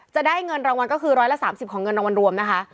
จะได้เงินรางวัลก็คือ๑๓๐ของเงินรางวัลรวมนะคะ